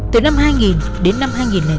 từ năm hai nghìn đến năm hai nghìn tám